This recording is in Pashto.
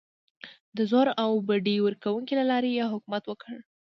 د زور او بډې ورکونې له لارې یې حکومت وکړ.